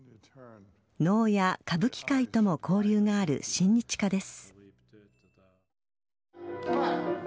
能や歌舞伎界とも交流がある親日家です。